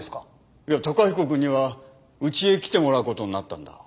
いや崇彦くんにはうちへ来てもらう事になったんだ。